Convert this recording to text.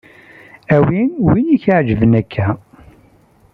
Awi win i k-iɛejben akk.